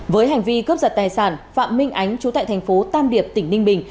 với hành vi cướp giật tài sản phạm minh ánh chú tại thành phố tam điệp tỉnh ninh bình